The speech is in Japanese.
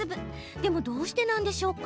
でもどうしてなんでしょうか？